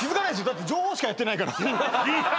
だって情報しかやってないからいや